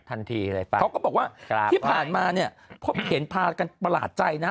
อะไรไปเขาก็บอกว่าที่ผ่านมาเนี่ยพบเห็นพากันประหลาดใจนะ